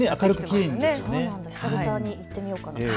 久々に行ってみようかな。